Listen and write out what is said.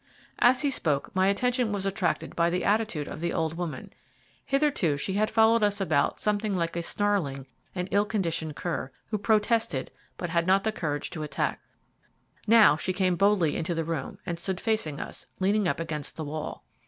As he spoke my attention was attracted by the attitude of the old woman. Hitherto she had followed us about something like a snarling and ill conditioned cur, who protested, but had not courage to attack. Now she came boldly into the room, and stood facing us, leaning up against the wall.